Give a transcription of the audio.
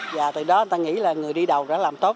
và từ đó ta nghĩ là người đi đầu đã làm tốt